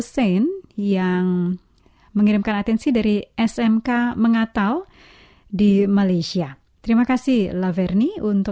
sungguh baik di setiap waktu